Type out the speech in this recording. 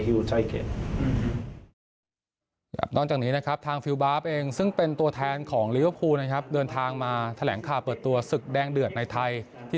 ดูนี่ผมก็แน่นอนว่าจะเป็นเกมส์แบบนี้